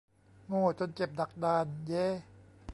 โง่จนเจ็บ ดักดาน เย้ !